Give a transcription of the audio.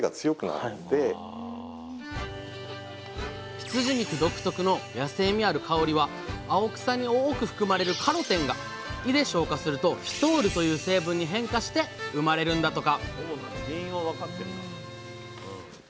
羊肉独特の野性味ある香りは青草に多く含まれるカロテンが胃で消化するとフィトールという成分に変化して生まれるんだとか